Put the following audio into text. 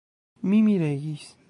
Mi miregis.